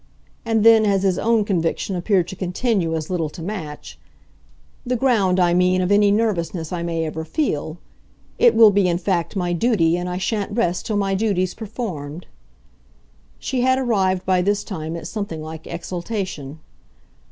And then as his own conviction appeared to continue as little to match: "The ground, I mean, of any nervousness I may ever feel. It will be in fact my duty and I shan't rest till my duty's performed." She had arrived by this time at something like exaltation.